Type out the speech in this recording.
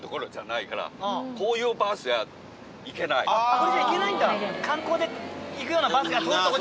これじゃ行けないんだ。